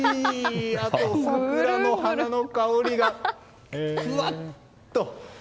あと、桜の花の香りがふわっと！